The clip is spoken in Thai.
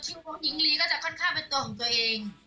หญิงลีก็จะค่อนข้างเป็นตัวของตัวเอง